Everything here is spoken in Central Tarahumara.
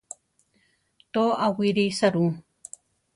To, awírisa ru.